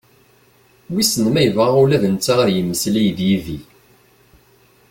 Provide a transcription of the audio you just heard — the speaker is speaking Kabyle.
Wisen ma yebɣa ula d netta ad yemeslay d yid-i?